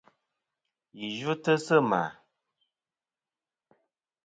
Ghi yvɨtɨ sɨ ma.